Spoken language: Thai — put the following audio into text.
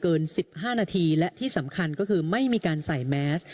เกินสิบห้านาทีและที่สำคัญก็คือไม่มีการใส่แมส